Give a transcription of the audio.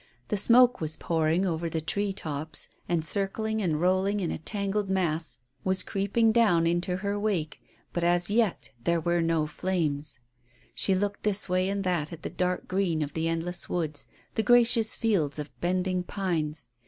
The smoke was pouring over the tree tops, and, circling and rolling in a tangled mass, was creeping down in her wake, but as yet there were no flames. She looked this way and that at the dark green of the endless woods, the gracious fields of bending pines.